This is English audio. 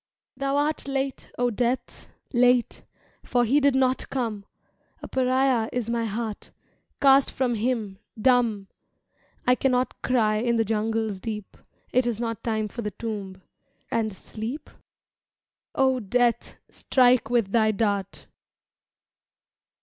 Thou art late, O Death, Late, For he did not come! A pariah is my heart, Cast from him dumb! I cannot cry in the jungle's deep Is it not time for the Tomb and Sleep? O Death, strike with thy dart!